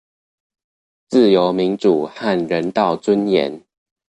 自由民主和人道尊嚴